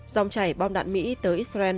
dòng chảy bom đạn mỹ tới israel